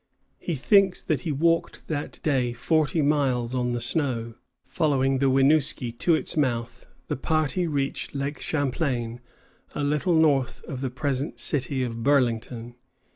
He thinks that he walked that day forty miles on the snow. Following the Winooski to its mouth, the party reached Lake Champlain a little north of the present city of Burlington.